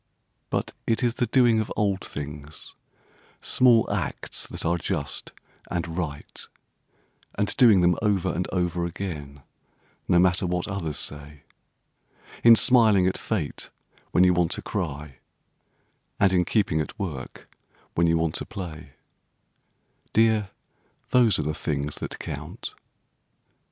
But it is the doing of old things, Small acts that are just and right; And doing them over and over again, no matter what others say; In smiling at fate, when you want to cry, and in keeping at work when you want to play— Dear, those are the things that count.